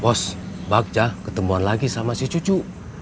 bos bagja ketemuan lagi sama si cucu